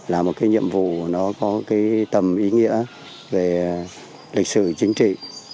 là một cái nhiệm vụ nó có cái tầm ý nghĩa về lịch sử chính trị